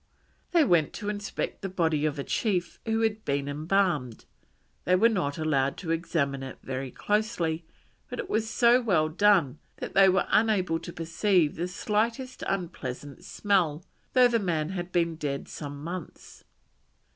They went to inspect the body of a chief who had been embalmed; they were not allowed to examine it very closely, but it was so well done that they were unable to perceive the slightest unpleasant smell, though the man had been dead some months.